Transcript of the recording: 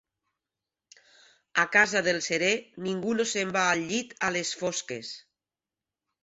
A casa del cerer ningú no se'n va al llit a les fosques.